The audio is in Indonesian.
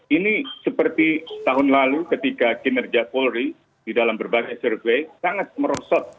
ini seperti tahun lalu ketika kinerja polri di dalam berbagai survei sangat merosot